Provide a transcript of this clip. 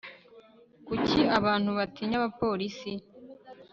kuki abantu batinya abapolisi